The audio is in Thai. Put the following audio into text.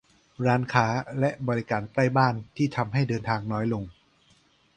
- ร้านค้าและบริการใกล้บ้านที่ทำให้เดินทางน้อยลง